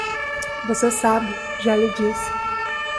Você sabe; já lhe disse.